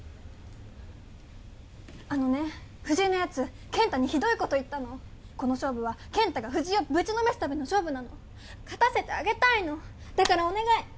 あのね藤井のやつ健太にひどいこと言ったのこの勝負は健太が藤井をぶちのめすための勝負なの勝たせてあげたいのだからお願い！